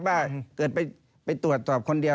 ว่าเกิดไปตรวจสอบคนเดียว